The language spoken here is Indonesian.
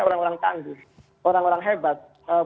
orang orang tangguh orang orang hebat